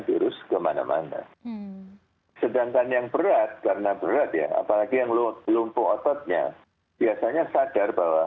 vaksinasi dirasa cukup ampuh